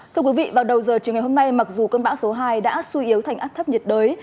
thưa quý vị vào đầu giờ chiều ngày hôm nay mặc dù cơn bão số hai đã suy yếu thành áp thấp nhiệt đới